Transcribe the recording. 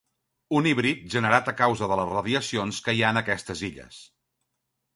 Un híbrid generat a causa de les radiacions que hi ha en aquestes illes.